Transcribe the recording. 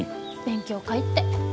勉強会って。